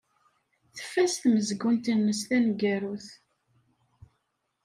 Tfaz tmezgunt-nnes taneggarut.